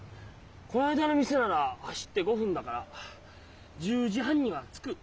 この間の店なら走って５分だから１０時半には着く。